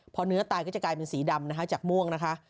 พอเนื้อตายก็จะกลายเป็นสีดำนะคะจากม่วงนะคะ